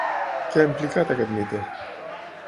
Què ha implicat, aquest mite?